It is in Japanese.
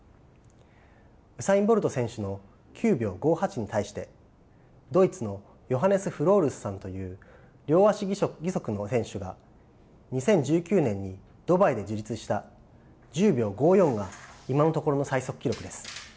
ウサイン・ボルト選手の９秒５８に対してドイツのヨハネス・フロールスさんという両足義足の選手が２０１９年にドバイで樹立した１０秒５４が今のところの最速記録です。